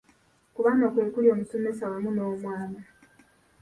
Ku bano kwe kuli omusomesa wamu n’omwana.